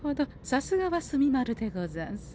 さすがは墨丸でござんす。